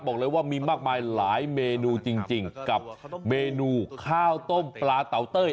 บอกเลยว่ามีมากมายหลายเมนูจริงกับเมนูข้าวต้มปลาเตาเต้ย